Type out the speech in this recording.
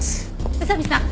宇佐見さん